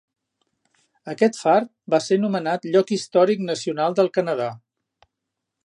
Aquest far va ser nomenat Lloc Històric Nacional del Canadà.